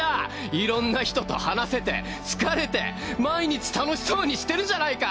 いろんな人と話せて好かれて毎日楽しそうにしてるじゃないか！